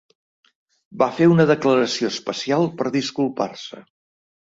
Va fer una declaració especial per disculpar-se.